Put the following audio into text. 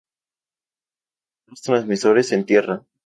Los transmisores en tierra.